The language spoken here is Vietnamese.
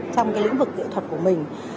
trong cái lĩnh vực kỹ thuật của mình